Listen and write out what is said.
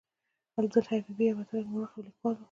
عبدالحي حبیبي یو وتلی مورخ او لیکوال و.